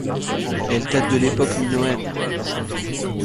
Elle date de l'Époque minoenne.